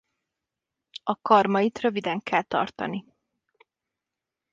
A karmait röviden kell tartani.